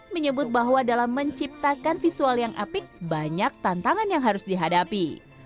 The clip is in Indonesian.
menyebut bahwa dalam menciptakan visual yang apiks banyak tantangan yang harus dihadapi